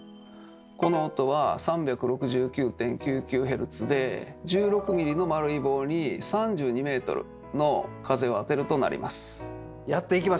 この音は３６９．９９Ｈｚで１６ｍｍの丸い棒に３２ｍの風を当てるとなります。